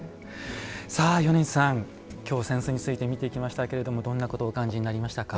米二さん、きょう扇子について見てきましたが、どんなことをお感じになりましたか？